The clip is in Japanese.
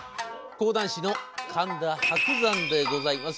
講談師の神田伯山でございます。